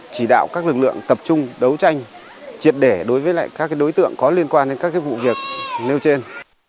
chỉ đạo các lực lượng tập trung đấu tranh triệt để đối với các đối tượng có liên quan đến các vụ việc nêu trên